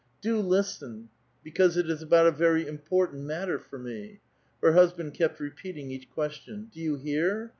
Do listen I because it is about a very important matter tor me." Her husband kept repeating each question, ''Do you hear?"